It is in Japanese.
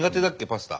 パスタ。